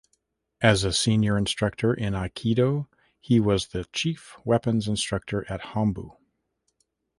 As a senior instructor in Aikido he was the Chief Weapons Instructor at Hombu.